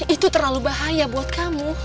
itu terlalu bahaya buat kamu